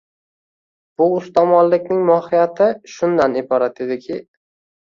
Bu ustomonlikning, mohiyati shundan iborat ediki